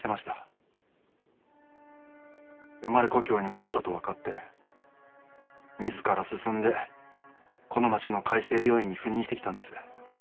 生まれ故郷に戻ったと分かってみずから進んでこの町の海生病院に赴任してきたんです。